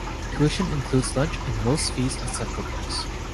Tuition includes lunch and most fees except for books.